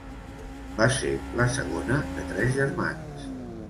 Va ser la segona de tres germans.